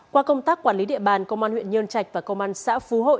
qua công tác quản lý địa bàn công an huyện nhơn trạch và công an xã phú hội